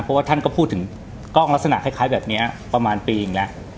เพราะว่าท่านก็พูดถึงกล้องลักษณะคล้ายแบบนี้ประมาณปีหนึ่งแล้ว